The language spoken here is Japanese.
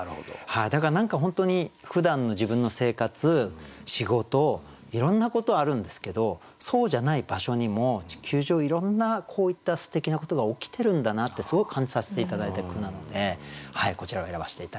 だから何か本当にふだんの自分の生活仕事いろんなことあるんですけどそうじゃない場所にも地球上いろんなこういったすてきなことが起きてるんだなってすごい感じさせて頂いた句なのでこちらを選ばせて頂きました。